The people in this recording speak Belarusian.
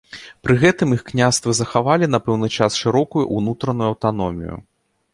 Пры гэтым іх княствы захавалі на пэўны час шырокую ўнутраную аўтаномію.